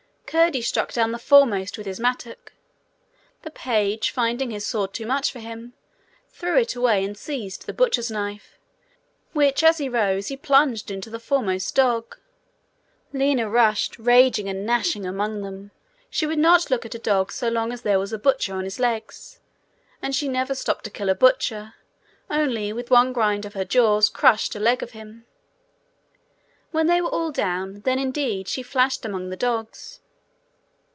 Curdie struck down the foremost with his mattock. The page, finding his sword too much for him, threw it away and seized the butcher's knife, which as he rose he plunged into the foremost dog. Lina rushed raging and gnashing among them. She would not look at a dog so long as there was a butcher on his legs, and she never stopped to kill a butcher, only with one grind of her jaws crushed a leg of him. When they were all down, then indeed she flashed among the dogs.